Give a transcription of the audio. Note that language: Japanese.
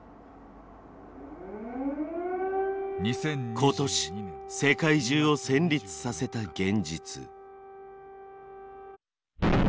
今年世界中を戦慄させた現実。